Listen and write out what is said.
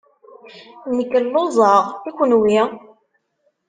Nekk lluẓeɣ. I kenwi?